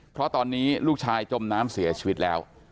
เพราะตอนนี้ลูกชายจมน้ำเสียชีวิตแล้ว